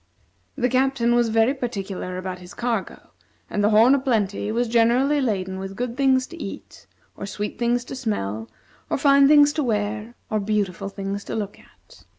The Captain was very particular about his cargo, and the "Horn o' Plenty" was generally laden with good things to eat, or sweet things to smell, or fine things to wear, or beautiful things to look at.